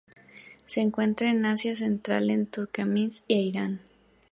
Se encuentra en Asia central en Turkmenistán e Irán.